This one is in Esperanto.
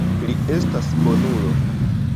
Li estas bonulo.